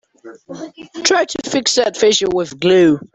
Try to fix that fissure with glue.